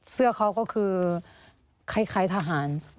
เสื้อเขาก็คือคล้ายทหาร